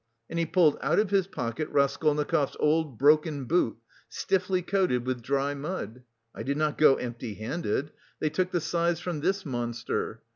and he pulled out of his pocket Raskolnikov's old, broken boot, stiffly coated with dry mud. "I did not go empty handed they took the size from this monster.